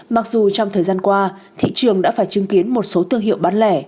mặc dù trong thời gian qua thị trường đã phải chứng kiến một số thương hiệu bán lẻ